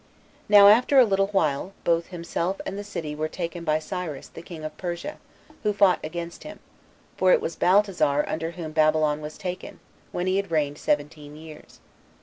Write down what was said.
Now, after a little while, both himself and the city were taken by Cyrus, the king of Persia, who fought against him; for it was Baltasar, under whom Babylon was taken, when he had reigned seventeen years.